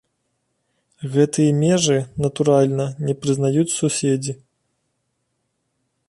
Гэтыя межы, натуральна, не прызнаюць суседзі.